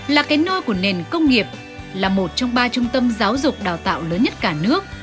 là cái nơi của nền công nghiệp là một trong ba trung tâm giáo dục đào tạo lớn nhất cả nước